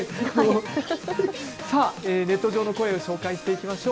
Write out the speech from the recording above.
ネット上の声を紹介していきましょう。